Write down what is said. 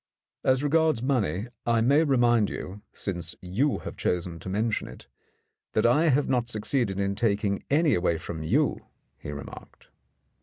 "As regards money, I may remind you, since you have chosen to mention it, that I have not succeeded in taking any away from you," he remarked.